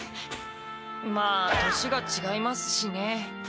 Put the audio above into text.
まあ年がちがいますしね。